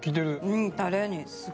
うんタレに。